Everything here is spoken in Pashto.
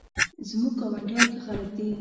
زموږ ګاونډیان ښه خلک دي